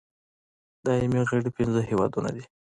دایمي غړي پنځه هېوادونه دي.